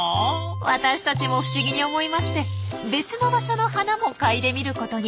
私たちも不思議に思いまして別の場所の花も嗅いでみることに。